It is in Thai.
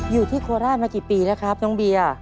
อยู่ที่โคราชมากี่ปีแล้วครับน้องเบีย